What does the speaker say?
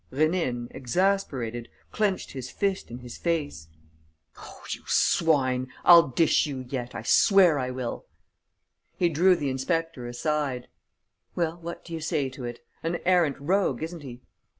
Rénine, exasperated, clenched his fist in his face: "Oh, you swine, I'll dish you yet, I swear I will!" He drew the inspector aside: "Well, what do you say to it? An arrant rogue, isn't he?"